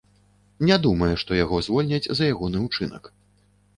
Не думае, што яго звольняць за ягоны ўчынак.